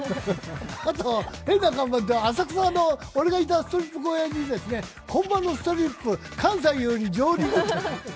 あと、変な看板というと、浅草の俺のいたストリップ小屋に本場のストリップ関西より上陸って。